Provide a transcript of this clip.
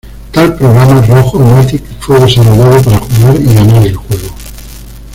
Tal programa, "Rog-O-Matic", fue desarrollado para jugar y ganar el juego.